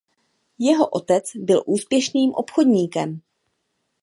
Jeho otec byl úspěšným obchodníkem.